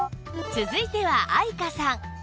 続いては愛華さん